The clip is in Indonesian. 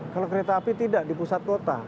kalau kereta api tidak di pusat kota